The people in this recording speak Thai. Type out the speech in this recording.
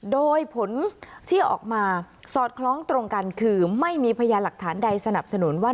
โดยผลที่ออกมาสอดคล้องตรงกันคือไม่มีพยานหลักฐานใดสนับสนุนว่า